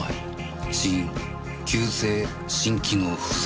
「死因急性心機能不全」。